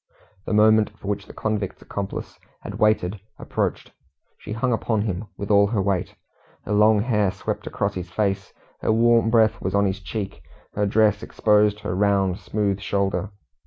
The moment for which the convict's accomplice had waited approached. She hung upon him with all her weight. Her long hair swept across his face, her warm breath was on his cheek, her dress exposed her round, smooth shoulder.